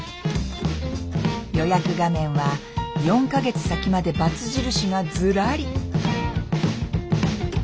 予約画面は４か月先までバツ印がずらり。